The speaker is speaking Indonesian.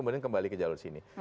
di jalur sini